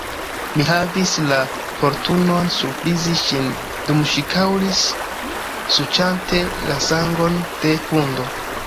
Mi havis la fortunon surprizi ŝin, dum ŝi kaŭris suĉante la sangon de hundo.